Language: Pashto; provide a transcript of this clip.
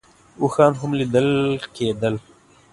اوښان هم لیدل کېدل.